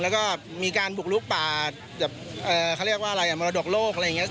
แล้วก็มีการบุกลุกป่าแบบเขาเรียกว่าอะไรอ่ะมรดกโลกอะไรอย่างนี้